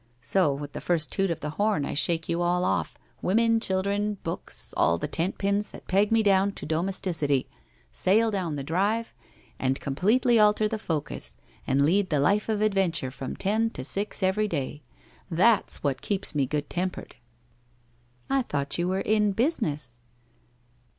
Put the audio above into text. So, with the first toot of the horn I shake you all off — women, chil dren, books, all the tent pins that peg me down to domes ticity — sail down the drive, and completely alter the focus, and lead the life of adventure from ten to six every day. That's what keeps me good tempered.' ' I thought you were in Business